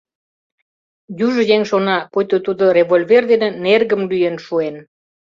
Южо еҥ шона, пуйто тудо револьвер дене нергым лӱен шуэн!